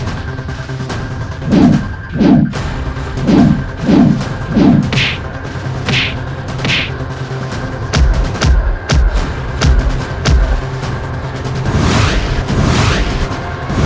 ada di dalam